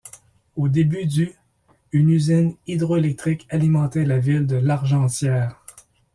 Au début du une usine hydro-électrique alimentait la ville de Largentière.